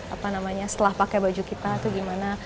apa namanya setelah pakai baju kita itu gimana